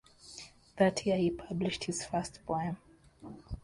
That year he published his first poem.